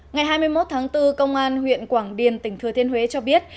ngày hai mươi một tháng bốn công an huyện quảng điền tỉnh thừa thiên huế cho biết